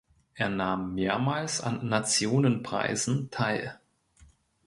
Er nahm mehrmals an Nationenpreisen teil.